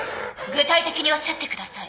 具体的におっしゃってください。